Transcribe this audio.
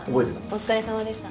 お疲れさまでした。